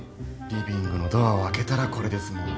リビングのドアを開けたらこれですもん。